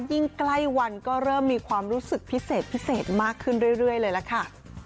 ยิ่งใกล้วันก็เริ่มมีความรู้สึกพิเศษพิเศษมากขึ้นเรื่อยเลยล่ะค่ะ